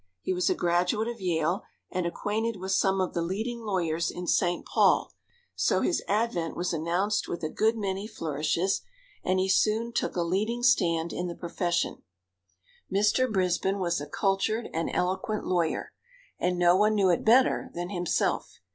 He was a graduate of Yale, and acquainted with some of the leading lawyers in St. Paul, so his advent was announced with a good many flourishes, and he soon took a leading stand in the profession. Mr. Brisbin was a cultured and eloquent lawyer, and no one knew it better than himself.